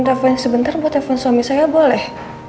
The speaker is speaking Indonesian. telepon sebentar buat telepon suami saya boleh